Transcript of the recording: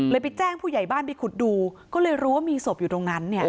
ไปแจ้งผู้ใหญ่บ้านไปขุดดูก็เลยรู้ว่ามีศพอยู่ตรงนั้นเนี่ย